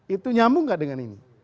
itu nyambung nggak dengan ini